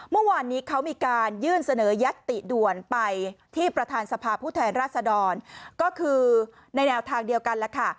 เมื่อวานนี้เขามีการยื่นเสนอยัตติด่วนไปที่ประธานสภาพผู้แทนราษดรก็คือในแนวทางเดียวกันแล้วค่ะ